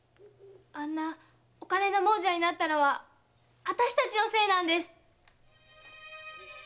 あんなお金の亡者になったのはあたしたちのせいなんです。